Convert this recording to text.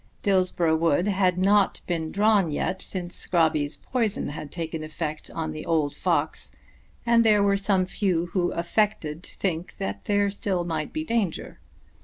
Dillsborough Wood had not been drawn yet since Scrobby's poison had taken effect on the old fox, and there were some few who affected to think that there still might be danger.